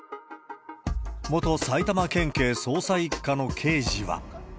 元埼玉県警捜査一課の刑事は。